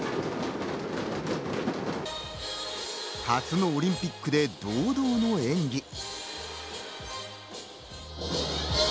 初のオリンピックで堂々の演技。